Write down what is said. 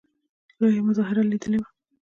لویه مظاهره لیدلې وه.